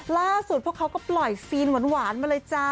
พวกเขาก็ปล่อยซีนหวานมาเลยจ้า